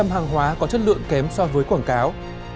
bốn mươi hai hàng hóa có chất lượng kém so với quảng cáo